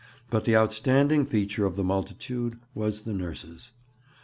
But the outstanding feature of the multitude was the nurses.